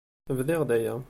Bdiɣ-d aya.